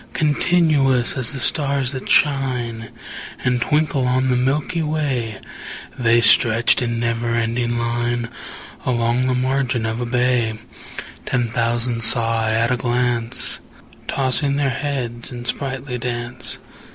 Continuous as the stars that shine And twinkle on the milky way, The stretched in never ending line Along the margin of a bay: Ten thousand saw I at a glance, Tossing their heads in sprightly dance.